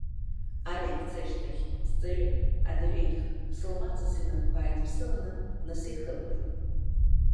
Алекциа ашьҭахь, сҵаҩы, адырҩегьых, ԥсылманҵас инапқәа ааидыԥсаланы днасеихырхәеит.